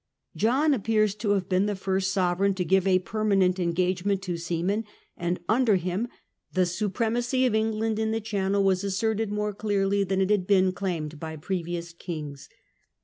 John appears to have been the first sovereign to give a permanent engagement to seamen, and under him the supremacy of England in the Channel was asserted more clearly than it had been claimed by previous kings.